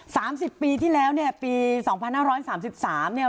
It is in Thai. สิบปีที่แล้วเนี่ยปีสองพันห้าร้อยสามสิบสามเนี่ย